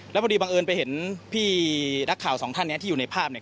แล้วพอดีบังเอิญไปเห็นพี่นักข่าวสองท่านเนี่ยที่อยู่ในภาพเนี่ย